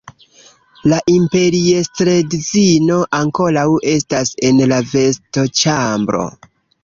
La imperiestredzino ankoraŭ estas en la vestoĉambro.